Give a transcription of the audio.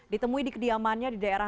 ditemui di kediamannya di daerah